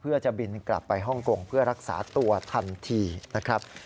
เพื่อจะบินกลับไปฮ่องกงเพื่อรักษาตัวทันทีนะครับ